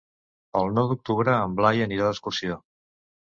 El nou d'octubre en Blai anirà d'excursió.